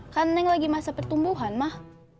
kan neng lagi masa pertumbuhan mah